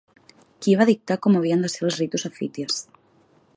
Qui va dictar com havien de ser els ritus a Fites?